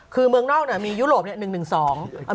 คือเมืองนอกเนี่ยมียุโรปเนี่ย